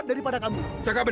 jadi makasih kamu